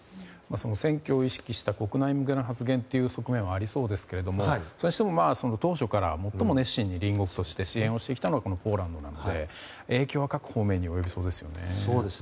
選挙を意識した国内向けの発言という側面はありそうですが当初から、最も熱心に隣国として支援をしてきたのはポーランドなので影響は各方面に及びそうですね。